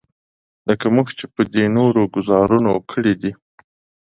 لکه موږ چې په دې نورو ګوزارونو کړی دی.